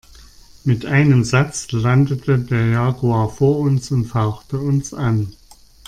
Mit einem Satz landete der Jaguar vor uns und fauchte uns an.